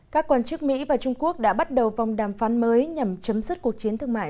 các quan chức mỹ và trung quốc đã bắt đầu vòng đàm phán mới nhằm chấm dứt cuộc chiến thương mại